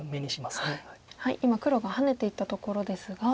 今黒がハネていったところですが。